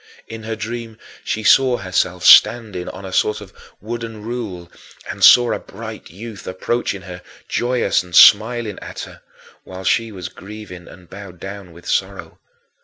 In her dream she saw herself standing on a sort of wooden rule, and saw a bright youth approaching her, joyous and smiling at her, while she was grieving and bowed down with sorrow.